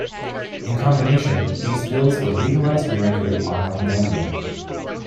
In combination, these bills would legalize and regulate online gambling.